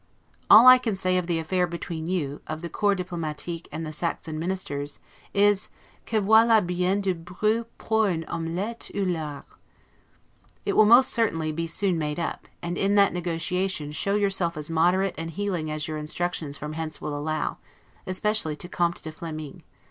All I can say of the affair between you, of the Corps Diplomatique, and the Saxon Ministers, is, 'que voila bien du bruit pour une omelette au lard'. It will most certainly be soon made up; and in that negotiation show yourself as moderate and healing as your instructions from hence will allow, especially to Comte de Flemming.